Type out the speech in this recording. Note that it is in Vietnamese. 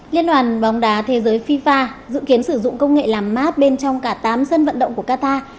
liên đoàn bóng đá thế giới fifa dự kiến sử dụng công nghệ làm map bên trong cả tám sân vận động của qatar